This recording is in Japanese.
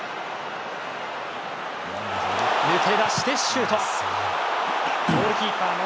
抜け出してシュート！